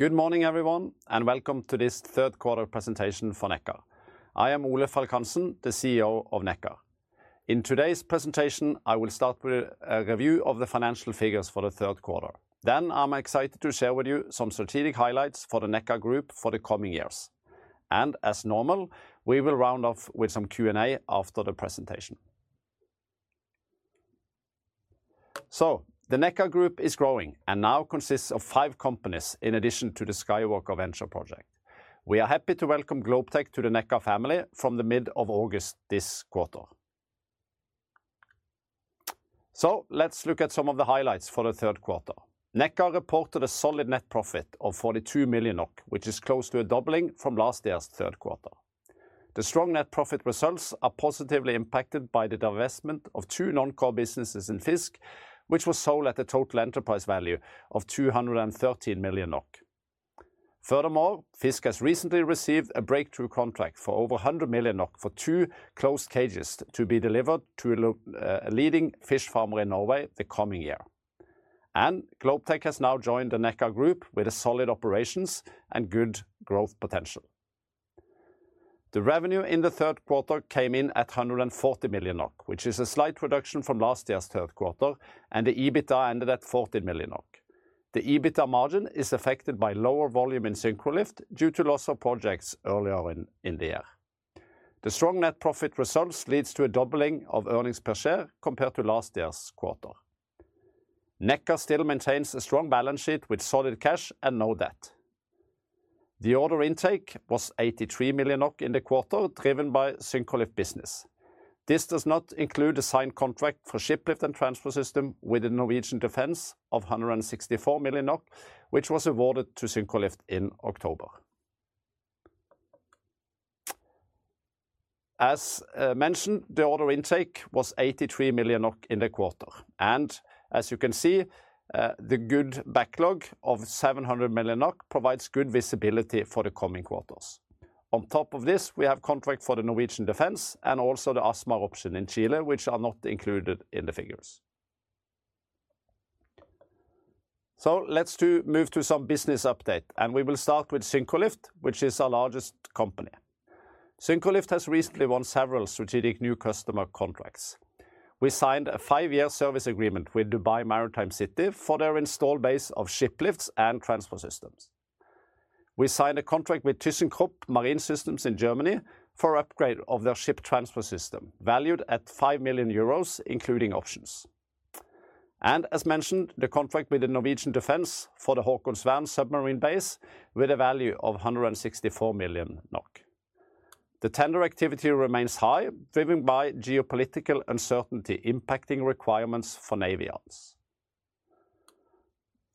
Good morning, everyone, and welcome to this Third Quarter Presentation for Nekkar. I am Ole Falk Hansen, the CEO of Nekkar. In today's presentation, I will start with a review of the financial figures for the third quarter. Then I'm excited to share with you some strategic highlights for the Nekkar Group for the coming years. As normal, we will round off with some Q&A after the presentation. The Nekkar Group is growing and now consists of five companies in addition to the Skywalker Venture project. We are happy to welcome GlobeTech to the Nekkar family from the mid-August this quarter. Let's look at some of the highlights for the third quarter. Nekkar reported a solid net profit of 42 million, which is close to a doubling from last year's third quarter. The strong net profit results are positively impacted by the divestment of two non-core businesses in FiiZK, which were sold at a total enterprise value of 213 million NOK. Furthermore, FiiZK has recently received a breakthrough contract for over 100 million NOK for two closed cages to be delivered to a leading fish farmer in Norway the coming year. And GlobeTech has now joined the Nekkar Group with solid operations and good growth potential. The revenue in the third quarter came in at 140 million NOK, which is a slight reduction from last year's third quarter, and the EBITDA ended at 14 million NOK. The EBITDA margin is affected by lower volume in Syncrolift due to loss of projects earlier in the year. The strong net profit results lead to a doubling of earnings per share compared to last year's quarter. Nekkar still maintains a strong balance sheet with solid cash and no debt. The order intake was 83 million NOK in the quarter, driven by Syncrolift business. This does not include the signed contract for Shiplift and Transfer System with the Norwegian Defence of 164 millio, which was awarded to Syncrolift in October. As mentioned, the order intake was 83 million NOK in the quarter, and as you can see, the good backlog of 700 million NOK provides good visibility for the coming quarters. On top of this, we have a contract for the Norwegian Defence and also the ASMAR option in Chile, which are not included in the figures, so let's move to some business updates, and we will start with Syncrolift, which is our largest company. Syncrolift has recently won several strategic new customer contracts. We signed a five-year service agreement with Dubai Maritime City for their installed base of shiplifts and transfer systems. We signed a contract with ThyssenKrupp Marine Systems in Germany for an upgrade of their ship transfer system, valued at 5 million euros, including options, and as mentioned, the contract with the Norwegian Defence for the Håkonsvern submarine base with a value of 164 million NOK. The tender activity remains high, driven by geopolitical uncertainty impacting requirements for Navy arms.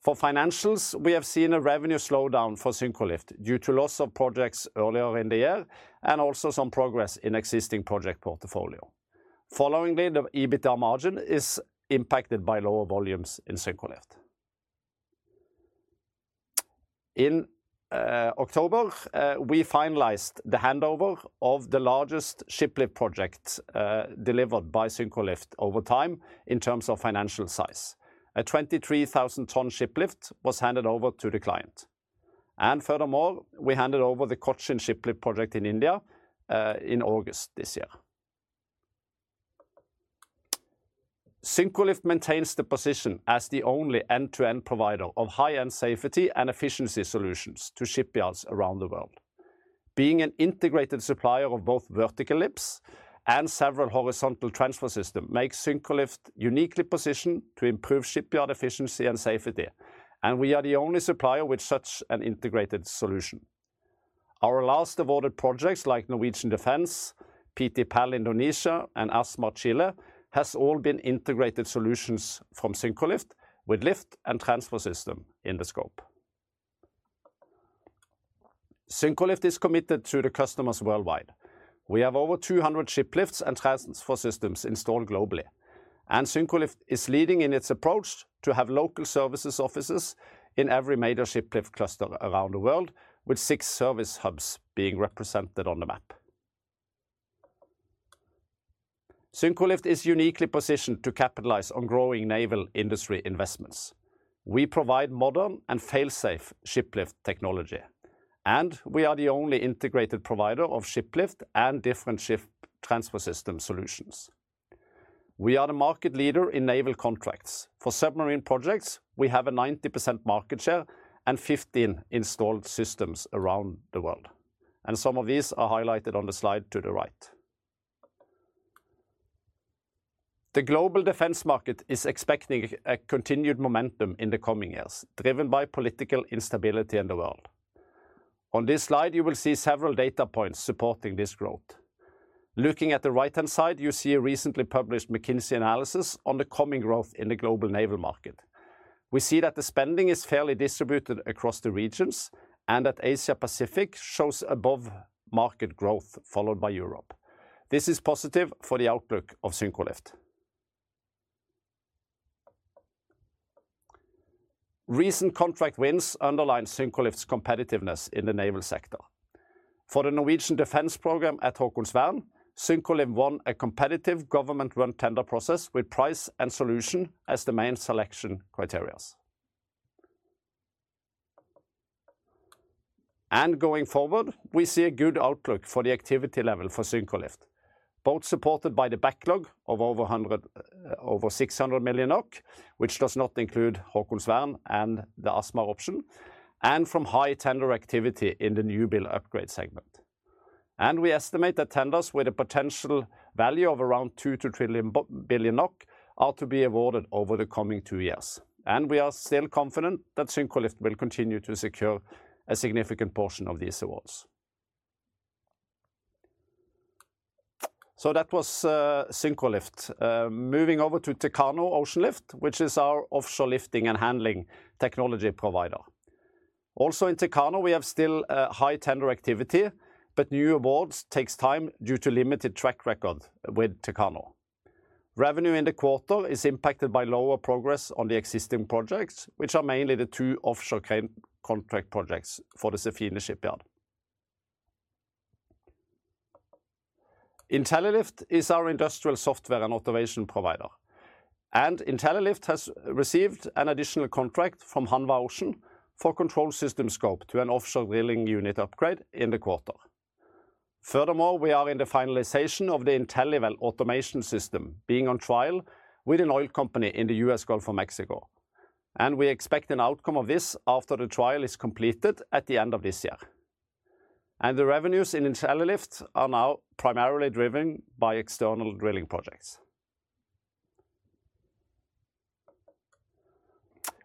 For financials, we have seen a revenue slowdown for Syncrolift due to loss of projects earlier in the year and also some progress in existing project portfolio. Followingly, the EBITDA margin is impacted by lower volumes in Syncrolift. In October, we finalized the handover of the largest shiplift project delivered by Syncrolift over time in terms of financial size. A 23,000-tonne shiplift was handed over to the client. Furthermore, we handed over the Cochin shiplift project in India in August this year. Syncrolift maintains the position as the only end-to-end provider of high-end safety and efficiency solutions to shipyards around the world. Being an integrated supplier of both vertical lifts and several horizontal transfer systems makes Syncrolift uniquely positioned to improve shipyard efficiency and safety, and we are the only supplier with such an integrated solution. Our last awarded projects, like Norwegian Defence, PT PAL Indonesia, and ASMAR Chile, have all been integrated solutions from Syncrolift with lift and transfer systems in the scope. Syncrolift is committed to the customers worldwide. We have over 200 shiplifts and transfer systems installed globally, and Syncrolift is leading in its approach to have local services offices in every major shiplift cluster around the world, with six service hubs being represented on the map. Syncrolift is uniquely positioned to capitalize on growing naval industry investments. We provide modern and fail-safe shiplift technology, and we are the only integrated provider of shiplift and different ship transfer system solutions. We are the market leader in naval contracts. For submarine projects, we have a 90% market share and 15 installed systems around the world, and some of these are highlighted on the slide to the right. The global defense market is expecting a continued momentum in the coming years, driven by political instability in the world. On this slide, you will see several data points supporting this growth. Looking at the right-hand side, you see a recently published McKinsey analysis on the coming growth in the global naval market. We see that the spending is fairly distributed across the regions, and that Asia-Pacific shows above-market growth, followed by Europe. This is positive for the outlook of Syncrolift. Recent contract wins underline Syncrolift's competitiveness in the naval sector. For the Norwegian Defence program at Håkonsvern, Syncrolift won a competitive government-run tender process with price and solution as the main selection criteria. And going forward, we see a good outlook for the activity level for Syncrolift, both supported by the backlog of over 600 million, which does not include Håkonsvern and the ASMAR option, and from high tender activity in the new build-upgrade segment. And we estimate that tenders with a potential value of around 2-3 trillion NOK are to be awarded over the coming two years. And we are still confident that Syncrolift will continue to secure a significant portion of these awards. So that was Syncrolift. Moving over to Techano Oceanlift, which is our offshore lifting and handling technology provider. Also in Techano, we have still high tender activity, but new awards take time due to limited track record with Techano. Revenue in the quarter is impacted by lower progress on the existing projects, which are mainly the two offshore contract projects for the Sefine Shipyard. IntelliLift is our industrial software and automation provider, and IntelliLift has received an additional contract from Hanwha Ocean for control system scope to an offshore drilling unit upgrade in the quarter. Furthermore, we are in the finalization of the IntelliWell automation system being on trial with an oil company in the U.S. Gulf of Mexico, and we expect an outcome of this after the trial is completed at the end of this year, and the revenues in IntelliLift are now primarily driven by external drilling projects.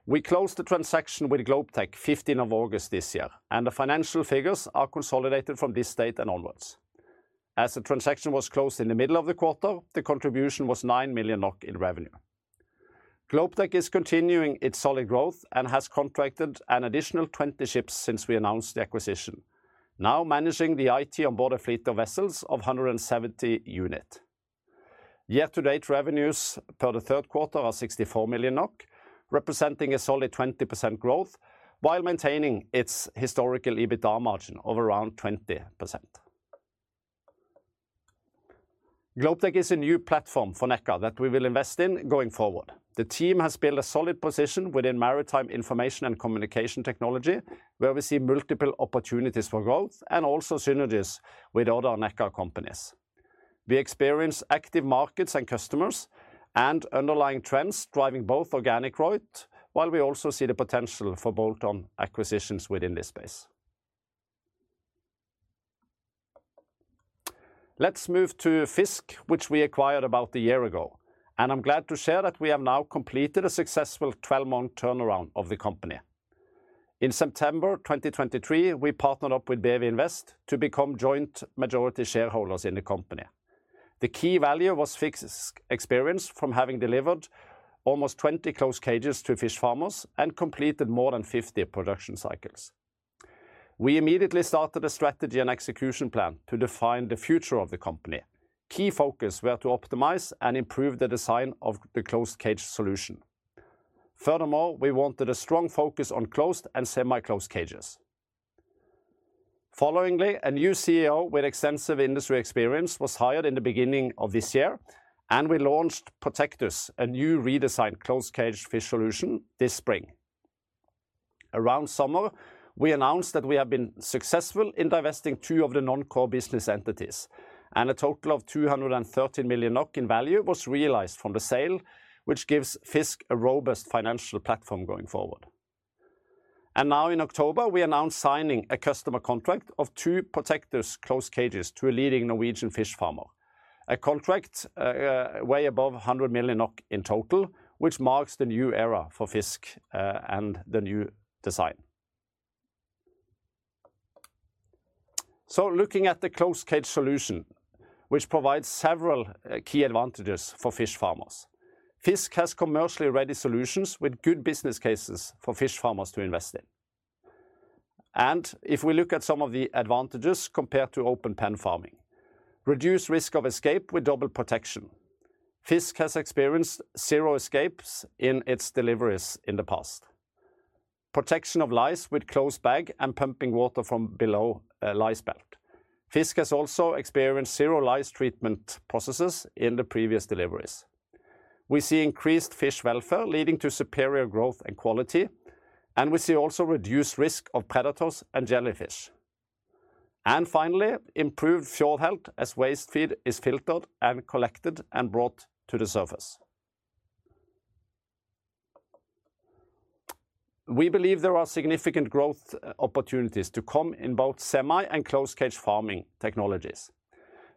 We closed the transaction with GlobeTech on the 15th of August this year, and the financial figures are consolidated from this date and onwards. As the transaction was closed in the middle of the quarter, the contribution was 9 million NOK in revenue. GlobeTech is continuing its solid growth and has contracted an additional 20 ships since we announced the acquisition, now managing the IT onboard a fleet of vessels of 170 units. Year-to-date revenues for the third quarter are 64 million NOK, representing a solid 20% growth while maintaining its historical EBITDA margin of around 20%. GlobeTech is a new platform for Nekkar that we will invest in going forward. The team has built a solid position within maritime information and communication technology, where we see multiple opportunities for growth and also synergies with other Nekkar companies. We experience active markets and customers and underlying trends driving both organic growth, while we also see the potential for bolt-on acquisitions within this space. Let's move to FiiZK, which we acquired about a year ago, and I'm glad to share that we have now completed a successful 12-month turnaround of the company. In September 2023, we partnered up with BEWI Invest to become joint majority shareholders in the company. The key value was FiiZK's experience from having delivered almost 20 closed cages to fish farmers and completed more than 50 production cycles. We immediately started a strategy and execution plan to define the future of the company. Key focus was to optimize and improve the design of the closed cage solution. Furthermore, we wanted a strong focus on closed and semi-closed cages. Following, a new CEO with extensive industry experience was hired in the beginning of this year, and we launched Protectus, a new redesigned closed cage fish solution this spring. Around summer, we announced that we have been successful in divesting two of the non-core business entities, and a total of 213 million NOK in value was realized from the sale, which gives FiiZK a robust financial platform going forward. And now, in October, we announced signing a customer contract of two Protectus closed cages to a leading Norwegian fish farmer, a contract way above 100 million NOK in total, which marks the new era for FiiZK and the new design. So, looking at the closed cage solution, which provides several key advantages for fish farmers, FiiZK has commercially ready solutions with good business cases for fish farmers to invest in. If we look at some of the advantages compared to open pen farming, reduced risk of escape with double protection. FiiZK has experienced zero escapes in its deliveries in the past. Protection of lice with closed cage and pumping water from below a lice belt. FiiZK has also experienced zero lice treatment processes in the previous deliveries. We see increased fish welfare leading to superior growth and quality, and we see also reduced risk of predators and jellyfish. Finally, improved fjord health as waste feed is filtered and collected and brought to the surface. We believe there are significant growth opportunities to come in both semi and closed cage farming technologies.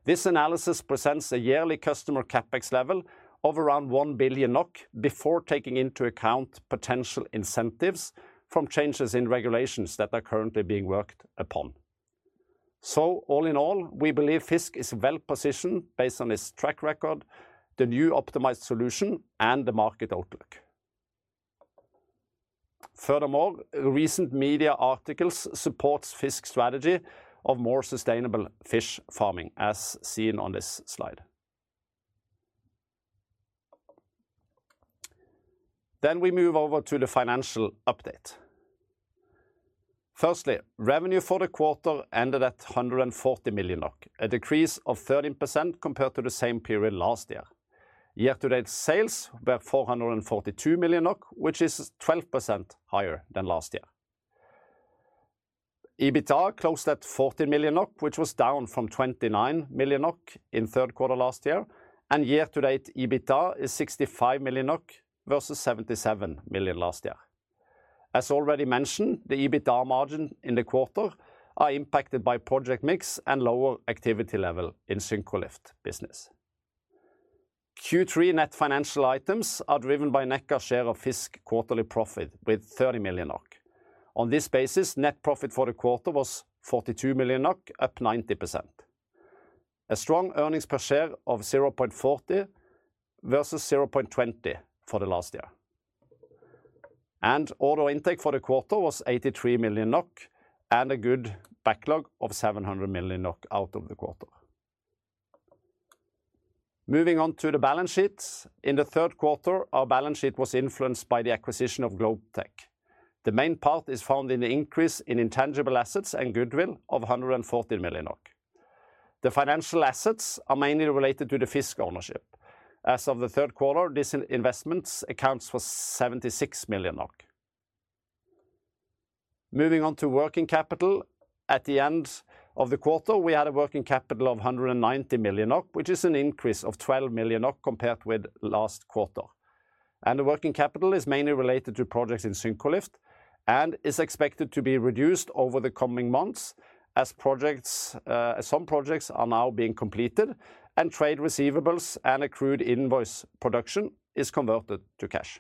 This analysis presents a yearly customer CapEx level of around 1 billion NOK before taking into account potential incentives from changes in regulations that are currently being worked upon. All in all, we believe FiiZK is well positioned based on its track record, the new optimized solution, and the market outlook. Furthermore, recent media articles support FiiZK's strategy of more sustainable fish farming, as seen on this slide. Then we move over to the financial update. Firstly, revenue for the quarter ended at 140 million, a decrease of 13% compared to the same period last year. Year-to-date sales were 442 million NOK, which is 12% higher than last year. EBITDA closed at 14 million NOK, which was down from 29 million NOK in the third quarter last year, and year-to-date EBITDA is 65 million NOK versus 77 million last year. As already mentioned, the EBITDA margin in the quarter is impacted by project mix and lower activity level in Syncrolift business. Q3 net financial items are driven by Nekkar's share of FiiZK quarterly profit with 30 million NOK. On this basis, net profit for the quarter was 42 million NOK, up 90%. A strong earnings per share of 0.40 versus 0.20 for the last year, and order intake for the quarter was 83 million NOK and a good backlog of 700 million NOK out of the quarter. Moving on to the balance sheet, in the third quarter, our balance sheet was influenced by the acquisition of GlobeTech. The main part is found in the increase in intangible assets and goodwill of 140 million. The financial assets are mainly related to the FiiZK ownership. As of the third quarter, this investment accounts for 76 million NOK. Moving on to working capital, at the end of the quarter, we had a working capital of 190 million, which is an increase of 12 million compared with last quarter. The working capital is mainly related to projects in Syncrolift and is expected to be reduced over the coming months as some projects are now being completed and trade receivables and accrued invoice production is converted to cash.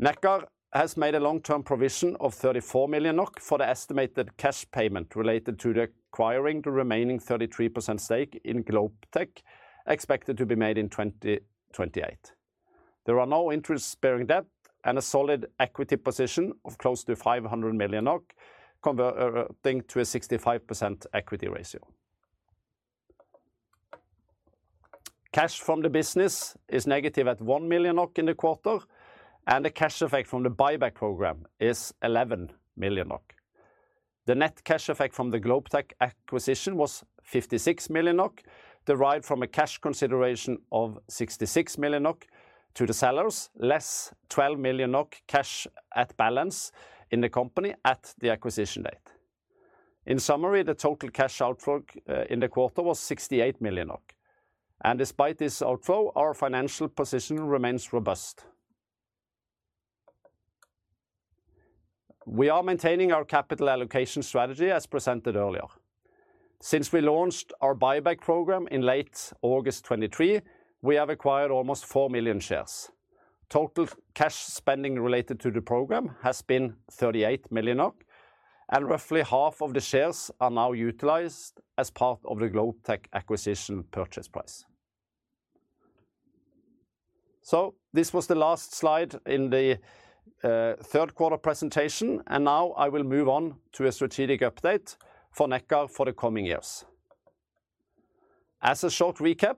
Nekkar has made a long-term provision of 34 million NOK for the estimated cash payment related to acquiring the remaining 33% stake in GlobeTech, expected to be made in 2028. There are no interest-bearing debt and a solid equity position of close to 500 million NOK, converting to a 65% equity ratio. Cash from the business is negative at 1 million NOK in the quarter, and the cash effect from the buyback program is 11 million NOK. The net cash effect from the GlobeTech acquisition was 56 million NOK, derived from a cash consideration of 66 million NOK to the sellers, less 12 million NOK cash at balance in the company at the acquisition date. In summary, the total cash outflow in the quarter was 68 million, and despite this outflow, our financial position remains robust. We are maintaining our capital allocation strategy as presented earlier. Since we launched our buyback program in late August 2023, we have acquired almost four million shares. Total cash spending related to the program has been 38 million, and roughly half of the shares are now utilized as part of the GlobeTech acquisition purchase price. This was the last slide in the third quarter presentation, and now I will move on to a strategic update for Nekkar for the coming years. As a short recap,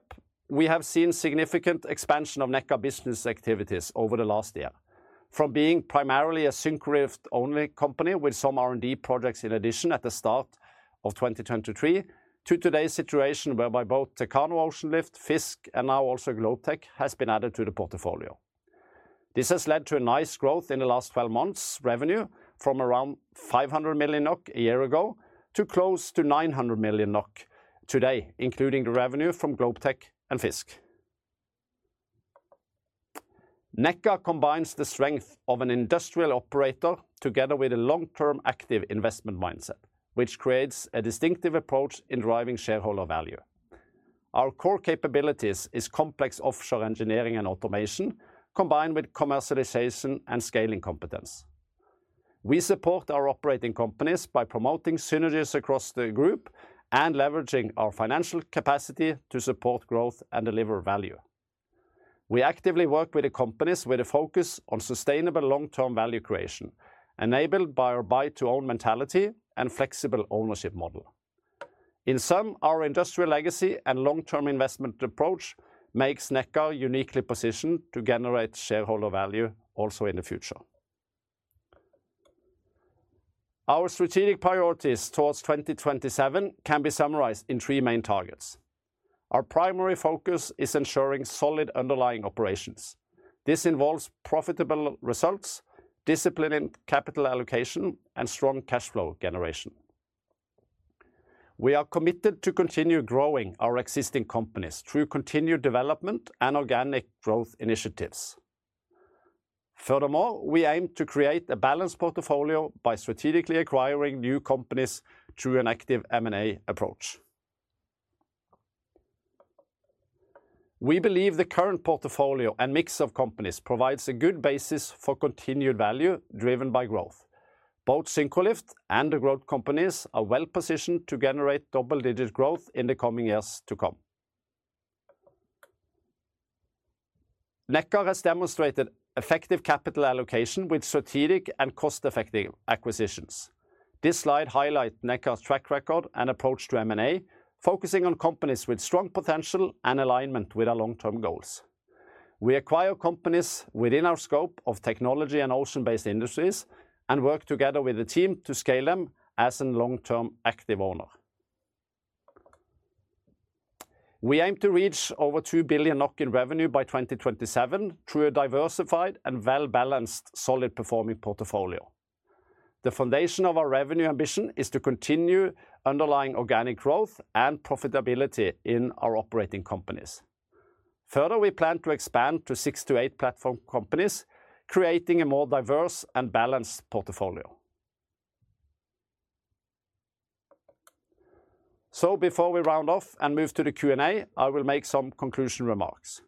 we have seen significant expansion of Nekkar business activities over the last year, from being primarily a Syncrolift-only company with some R&D projects in addition at the start of 2023 to today's situation whereby both Techano Oceanlift, FiiZK, and now also GlobeTech has been added to the portfolio. This has led to a nice growth in the last 12 months' revenue from around 500 million NOK a year ago to close to 900 million NOK today, including the revenue from GlobeTech and FiiZK. Nekkar combines the strength of an industrial operator together with a long-term active investment mindset, which creates a distinctive approach in driving shareholder value. Our core capabilities are complex offshore engineering and automation, combined with commercialization and scaling competence. We support our operating companies by promoting synergies across the group and leveraging our financial capacity to support growth and deliver value. We actively work with the companies with a focus on sustainable long-term value creation, enabled by our buy-to-own mentality and flexible ownership model. In sum, our industrial legacy and long-term investment approach make Nekkar uniquely positioned to generate shareholder value also in the future. Our strategic priorities towards 2027 can be summarized in three main targets. Our primary focus is ensuring solid underlying operations. This involves profitable results, disciplined capital allocation, and strong cash flow generation. We are committed to continuing to grow our existing companies through continued development and organic growth initiatives. Furthermore, we aim to create a balanced portfolio by strategically acquiring new companies through an active M&A approach. We believe the current portfolio and mix of companies provide a good basis for continued value driven by growth. Both Syncrolift and the growth companies are well positioned to generate double-digit growth in the coming years to come. Nekkar has demonstrated effective capital allocation with strategic and cost-effective acquisitions. This slide highlights Nekkar's track record and approach to M&A, focusing on companies with strong potential and alignment with our long-term goals. We acquire companies within our scope of technology and ocean-based industries and work together with the team to scale them as a long-term active owner. We aim to reach over 2 billion NOK in revenue by 2027 through a diversified and well-balanced solid-performing portfolio. The foundation of our revenue ambition is to continue underlying organic growth and profitability in our operating companies. Further, we plan to expand to six to eight platform companies, creating a more diverse and balanced portfolio. So, before we round off and move to the Q&A, I will make some conclusion remarks.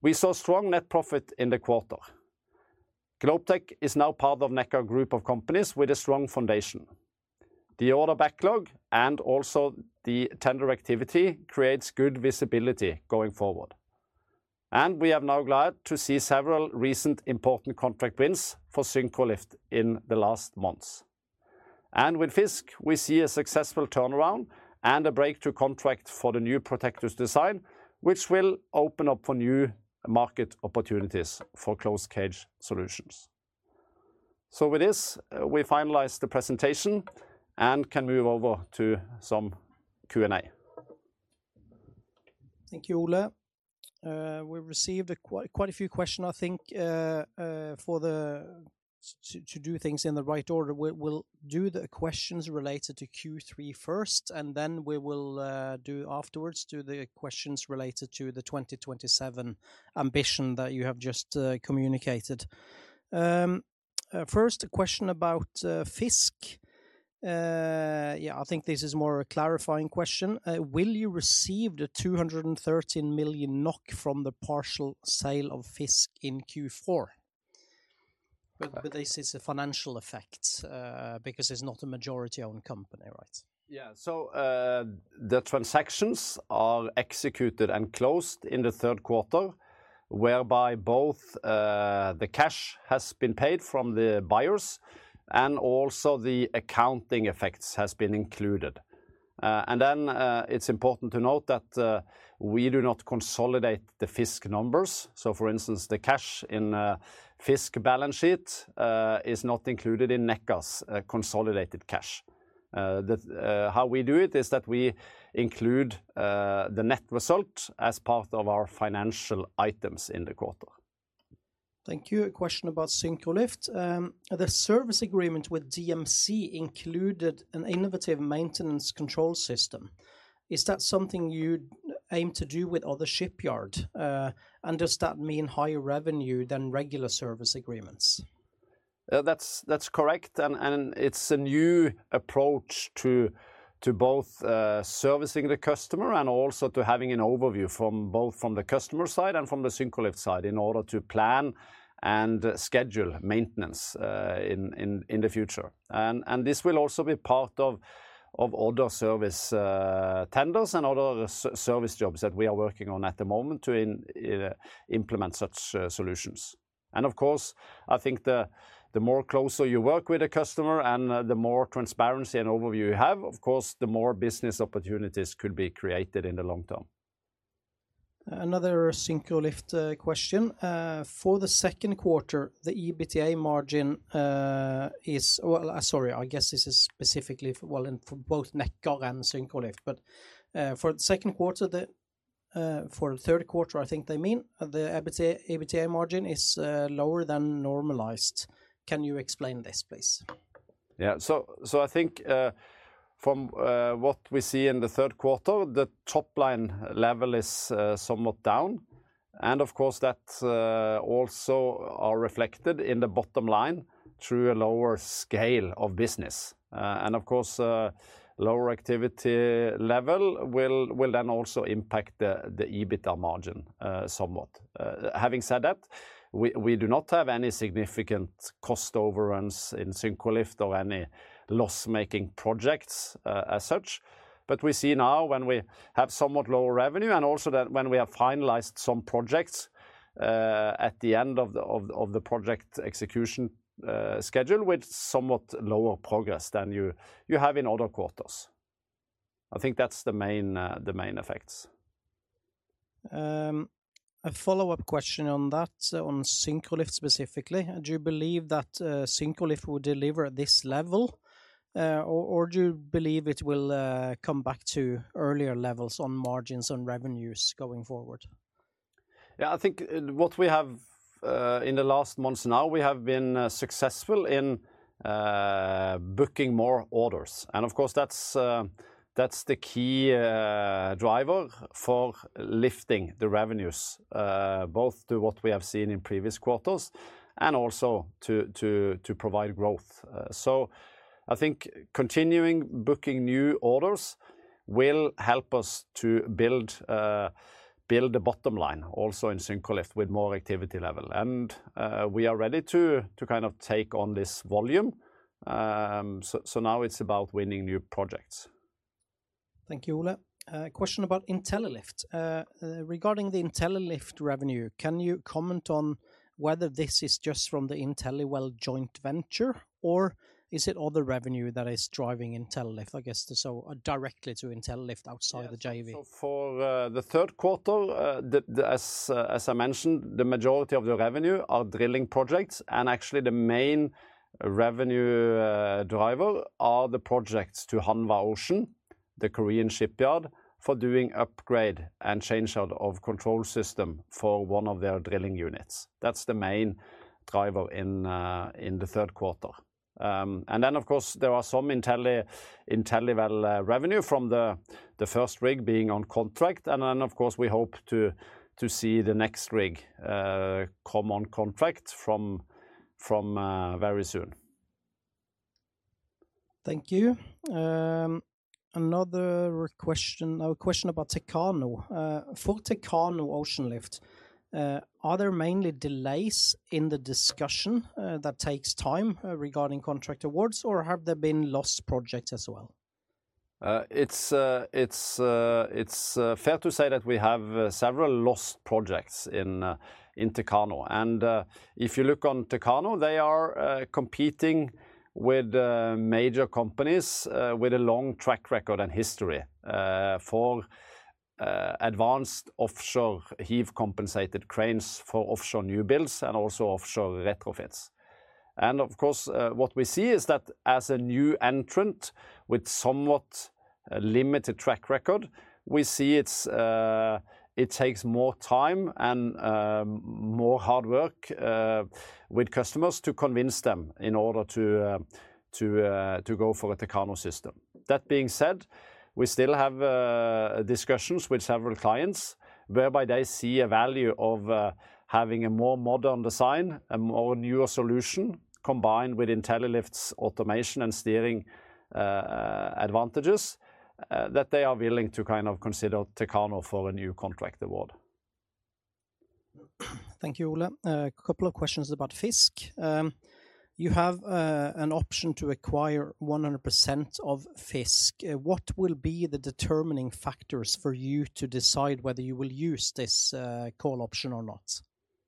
We saw strong net profit in the quarter. GlobeTech is now part of Nekkar Group of companies with a strong foundation. The order backlog and also the tender activity create good visibility going forward. And we are now glad to see several recent important contract wins for Syncrolift in the last months. And with FiiZK, we see a successful turnaround and a breakthrough contract for the new Protectus design, which will open up for new market opportunities for closed cage solutions. So, with this, we finalize the presentation and can move over to some Q&A. Thank you, Ole. We received quite a few questions, I think, to do things in the right order. We'll do the questions related to Q3 first, and then we will do afterwards the questions related to the 2027 ambition that you have just communicated. First, a question about FiiZK. Yeah, I think this is more a clarifying question. Will you receive the 213 million NOK from the partial sale of FiiZK in Q4? But this is a financial effect because it's not a majority-owned company, right? Yeah, so the transactions are executed and closed in the third quarter, whereby both the cash has been paid from the buyers and also the accounting effects have been included. And then it's important to note that we do not consolidate the FiiZK numbers. So, for instance, the cash in FiiZK balance sheet is not included in Nekkar's consolidated cash. How we do it is that we include the net result as part of our financial items in the quarter. Thank you. A question about Syncrolift. The service agreement with DMC included an innovative maintenance control system. Is that something you aim to do with other shipyards, and does that mean higher revenue than regular service agreements? That's correct, and it's a new approach to both servicing the customer and also to having an overview from both the customer side and from the Syncrolift side in order to plan and schedule maintenance in the future. And this will also be part of other service tenders and other service jobs that we are working on at the moment to implement such solutions. And of course, I think the more closer you work with the customer and the more transparency and overview you have, of course, the more business opportunities could be created in the long term. Another Syncrolift question. For the second quarter, the EBITDA margin is, well, sorry, I guess this is specifically for both Nekkar and Syncrolift, but for the second quarter, for the third quarter, I think they mean the EBITDA margin is lower than normalized. Can you explain this, please? Yeah, so I think from what we see in the third quarter, the top line level is somewhat down, and of course, that also is reflected in the bottom line through a lower scale of business. And of course, a lower activity level will then also impact the EBITDA margin somewhat. Having said that, we do not have any significant cost overruns in Syncrolift or any loss-making projects as such, but we see now, when we have somewhat lower revenue and also that, when we have finalized some projects at the end of the project execution schedule with somewhat lower progress than you have in other quarters. I think that's the main effects. A follow-up question on that, on Syncrolift specifically. Do you believe that Syncrolift will deliver at this level, or do you believe it will come back to earlier levels on margins and revenues going forward? Yeah, I think what we have in the last months now, we have been successful in booking more orders. And of course, that's the key driver for lifting the revenues, both to what we have seen in previous quarters and also to provide growth. So I think continuing booking new orders will help us to build the bottom line also in Syncrolift with more activity level. And we are ready to kind of take on this volume. So now it's about winning new projects. Thank you, Ole. A question about IntelliLift. Regarding the IntelliLift revenue, can you comment on whether this is just from the IntelliWell joint venture, or is it other revenue that is driving IntelliLift, I guess, so directly to IntelliLift outside of the JV? For the third quarter, as I mentioned, the majority of the revenue is drilling projects, and actually the main revenue driver is the projects to Hanwha Ocean, the Korean shipyard, for doing upgrade and change-out of control system for one of their drilling units. That's the main driver in the third quarter. And then, of course, there are some IntelliWell revenue from the first rig being on contract, and then, of course, we hope to see the next rig come on contract from very soon. Thank you. Another question, a question about Techano. For Techano Oceanlift, are there mainly delays in the discussion that takes time regarding contract awards, or have there been lost projects as well? It's fair to say that we have several lost projects in Techano. If you look on Techano, they are competing with major companies with a long track record and history for advanced offshore heave-compensated cranes for offshore new builds and also offshore retrofits. Of course, what we see is that as a new entrant with somewhat limited track record, we see it takes more time and more hard work with customers to convince them in order to go for a Techano system. That being said, we still have discussions with several clients whereby they see a value of having a more modern design, a more newer solution combined with IntelliLift's automation and steering advantages that they are willing to kind of consider Techano for a new contract award. Thank you, Ole. A couple of questions about FiiZK. You have an option to acquire 100% of FiiZK. What will be the determining factors for you to decide whether you will use this call option or not?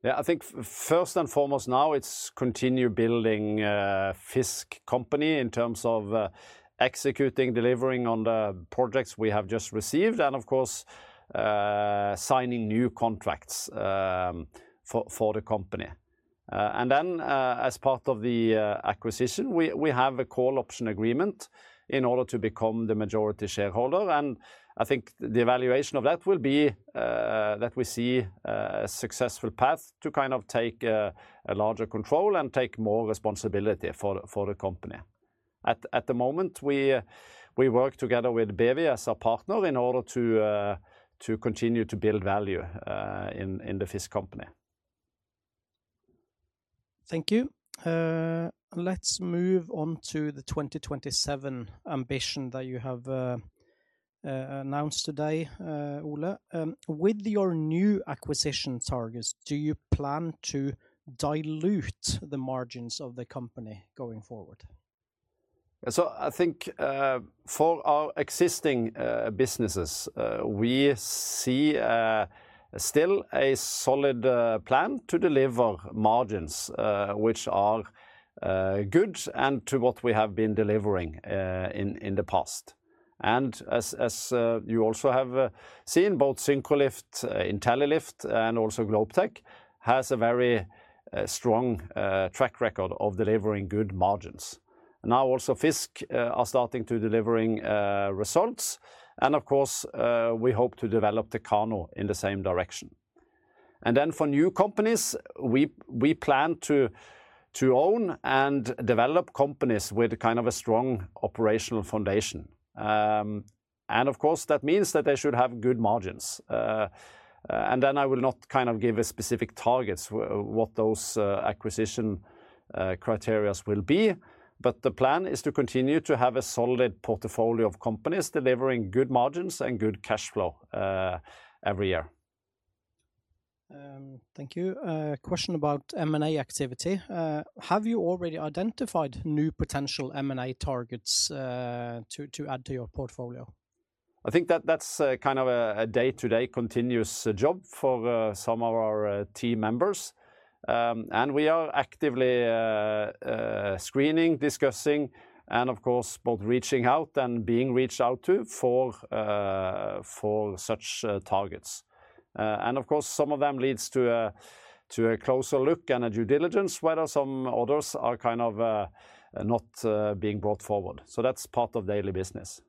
Yeah, I think first and foremost now it's continuing building FiiZK company in terms of executing, delivering on the projects we have just received, and of course, signing new contracts for the company. And then, as part of the acquisition, we have a call option agreement in order to become the majority shareholder. And I think the evaluation of that will be that we see a successful path to kind of take a larger control and take more responsibility for the company. At the moment, we work together with BEWI as our partner in order to continue to build value in the FiiZK company. Thank you. Let's move on to the 2027 ambition that you have announced today, Ole. With your new acquisition targets, do you plan to dilute the margins of the company going forward? I think for our existing businesses, we see still a solid plan to deliver margins which are good and to what we have been delivering in the past. And as you also have seen, both Syncrolift, IntelliLift, and also GlobeTech have a very strong track record of delivering good margins. Now also FiiZK is starting to deliver results, and of course, we hope to develop Techano in the same direction. And then for new companies, we plan to own and develop companies with kind of a strong operational foundation. And of course, that means that they should have good margins. And then I will not kind of give specific targets what those acquisition criteria will be, but the plan is to continue to have a solid portfolio of companies delivering good margins and good cash flow every year. Thank you. A question about M&A activity. Have you already identified new potential M&A targets to add to your portfolio? I think that's kind of a day-to-day continuous job for some of our team members. And we are actively screening, discussing, and of course, both reaching out and being reached out to for such targets. And of course, some of them lead to a closer look and a due diligence, whereas some others are kind of not being brought forward. So that's part of daily business.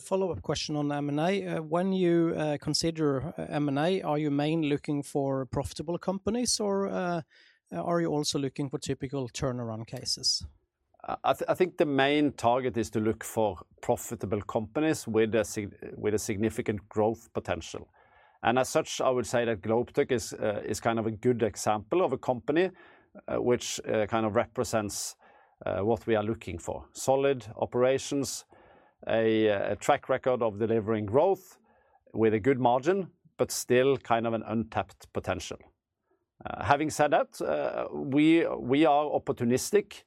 Follow-up question on M&A. When you consider M&A, are you mainly looking for profitable companies, or are you also looking for typical turnaround cases? I think the main target is to look for profitable companies with a significant growth potential. As such, I would say that GlobeTech is kind of a good example of a company which kind of represents what we are looking for: solid operations, a track record of delivering growth with a good margin, but still kind of an untapped potential. Having said that, we are opportunistic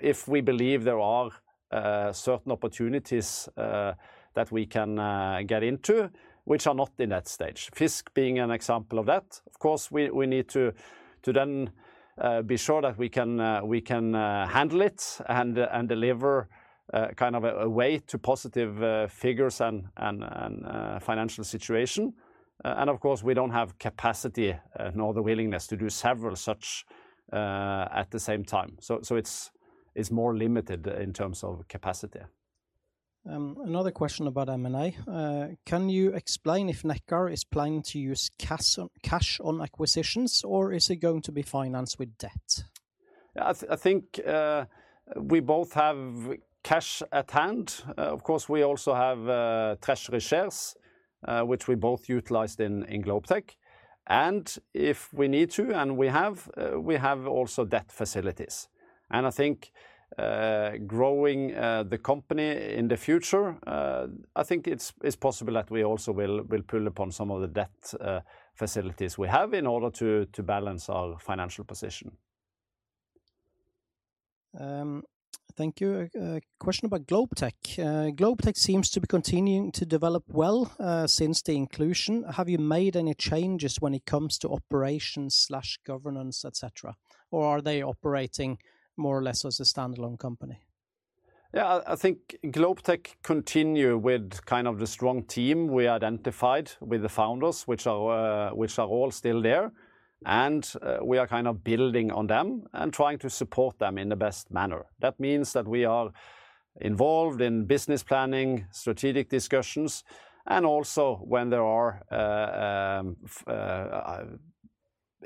if we believe there are certain opportunities that we can get into which are not in that stage. FiiZK being an example of that, of course, we need to then be sure that we can handle it and deliver kind of a way to positive figures and financial situation. Of course, we don't have capacity nor the willingness to do several such at the same time. So it's more limited in terms of capacity. Another question about M&A. Can you explain if Nekkar is planning to use cash on acquisitions, or is it going to be financed with debt? I think we both have cash at hand. Of course, we also have treasury shares which we both utilized in GlobeTech. And if we need to, and we have, we have also debt facilities. And I think growing the company in the future, I think it's possible that we also will pull upon some of the debt facilities we have in order to balance our financial position. Thank you. A question about GlobeTech. GlobeTech seems to be continuing to develop well since the inclusion. Have you made any changes when it comes to operations/governance, etc.? Or are they operating more or less as a standalone company? Yeah, I think GlobeTech continues with kind of the strong team we identified with the founders, which are all still there. We are kind of building on them and trying to support them in the best manner. That means that we are involved in business planning, strategic discussions, and also when there are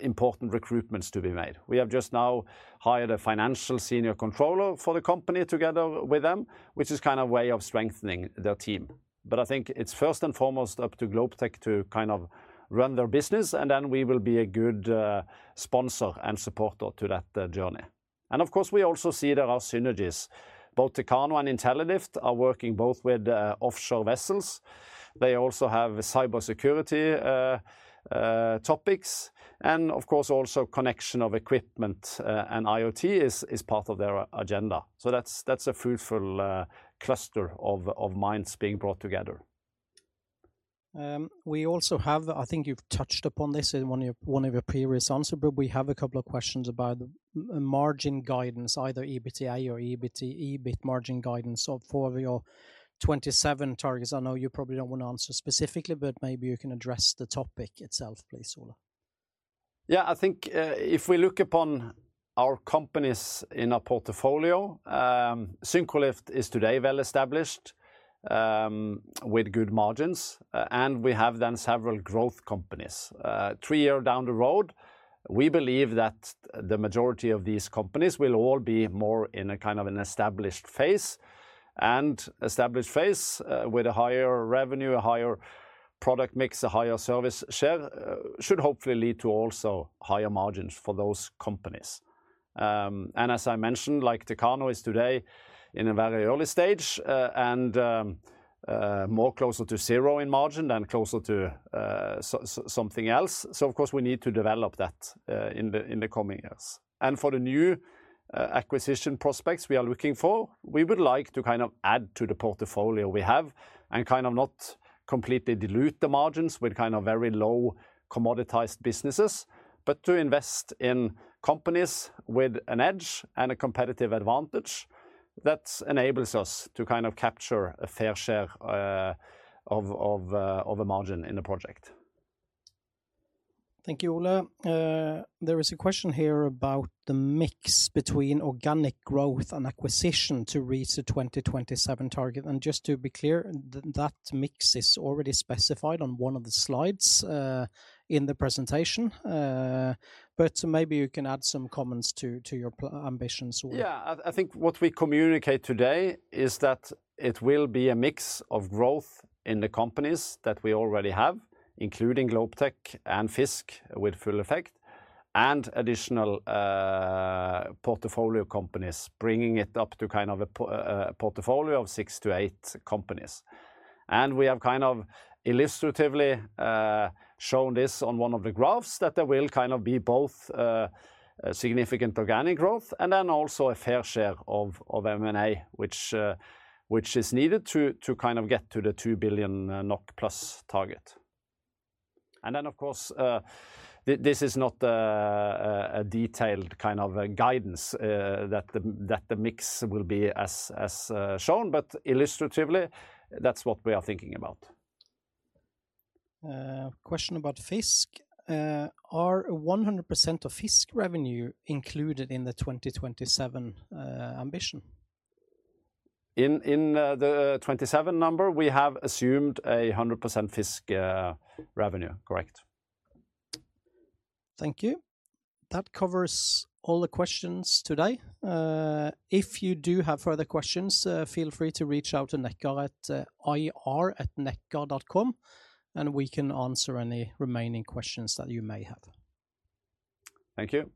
important recruitments to be made. We have just now hired a financial senior controller for the company together with them, which is kind of a way of strengthening their team. I think it's first and foremost up to GlobeTech to kind of run their business, and then we will be a good sponsor and supporter to that journey. Of course, we also see there are synergies. Both Techano and IntelliLift are working both with offshore vessels. They also have cybersecurity topics. Of course, also connection of equipment and IoT is part of their agenda. That's a fruitful cluster of minds being brought together. We also have, I think you've touched upon this in one of your previous answers, but we have a couple of questions about margin guidance, either EBITDA or EBIT margin guidance for your 2027 targets. I know you probably don't want to answer specifically, but maybe you can address the topic itself, please, Ole. Yeah, I think if we look upon our companies in our portfolio, Syncrolift is today well established with good margins, and we have then several growth companies. Three years down the road, we believe that the majority of these companies will all be more in a kind of an established phase. An established phase with a higher revenue, a higher product mix, a higher service share should hopefully lead to also higher margins for those companies. As I mentioned, like Techano is today in a very early stage and more closer to zero in margin than closer to something else. So of course, we need to develop that in the coming years. For the new acquisition prospects we are looking for, we would like to kind of add to the portfolio we have and kind of not completely dilute the margins with kind of very low commoditized businesses, but to invest in companies with an edge and a competitive advantage that enables us to kind of capture a fair share of a margin in the project. Thank you, Ole. There is a question here about the mix between organic growth and acquisition to reach the 2027 target. Just to be clear, that mix is already specified on one of the slides in the presentation. But maybe you can add some comments to your ambitions. Yeah, I think what we communicate today is that it will be a mix of growth in the companies that we already have, including GlobeTech and FiiZK with full effect, and additional portfolio companies bringing it up to kind of a portfolio of six to eight companies. And we have kind of illustratively shown this on one of the graphs that there will kind of be both significant organic growth and then also a fair share of M&A which is needed to kind of get to the 2 billion NOK plus target. And then of course, this is not a detailed kind of guidance that the mix will be as shown, but illustratively that's what we are thinking about. Question about FiiZK. Are 100% of FiiZK revenue included in the 2027 ambition? In the 2Q number, we have assumed a 100% FiiZK revenue, correct. Thank you. That covers all the questions today. If you do have further questions, feel free to reach out to Nekkar at ir@nekkar.com, and we can answer any remaining questions that you may have. Thank you.